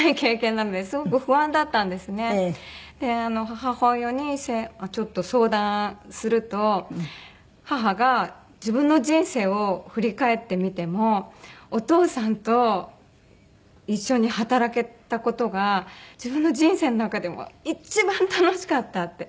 母親にちょっと相談すると母が「自分の人生を振り返ってみてもお父さんと一緒に働けた事が自分の人生の中でも一番楽しかった」って。